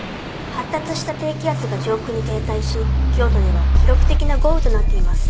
発達した低気圧が上空に停滞し京都では記録的な豪雨となっています。